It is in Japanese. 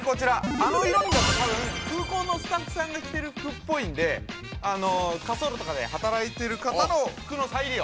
あの色味だと、空港のスタッフさんが着ている服っぽいので、滑走路とかで、働いてる方の服の再利用。